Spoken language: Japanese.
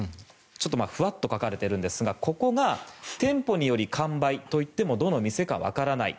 ちょっとふわっと書かれているんですがここが店舗により完売といってもどの店か分からない。